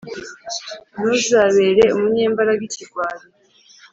ntuzabere umunyembaraga ikigwari